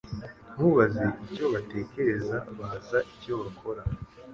Ntubaze icyo batekereza Baza icyo bakora